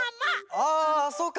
ああそうか。